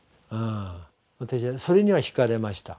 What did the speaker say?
私はそれにはひかれました。